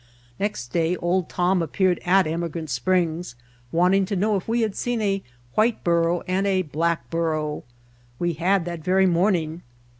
Next day Old Tom appeared at Emigrant Springs wanting to know if we had seen a white burro and a black burro. We had that very morning.